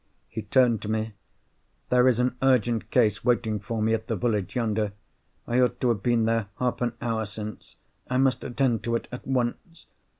He turned to me. "There is an urgent case waiting for me at the village yonder; I ought to have been there half an hour since—I must attend to it at once.